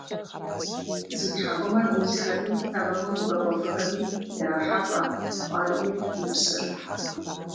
Зи тхьэкӏумэр узхэми, тэмэму мыбэуэфхэми ирахьэлӏэ фӏарийм и псыр.